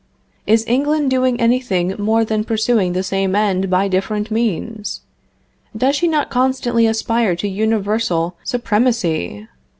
"Is England doing anything more than pursuing the same end by different means? Does she not constantly aspire to universal supremacy?